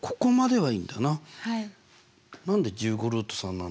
はい。